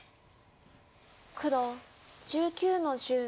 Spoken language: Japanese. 黒１９の十。